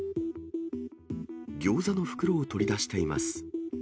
ギョーザの袋を取り出しています。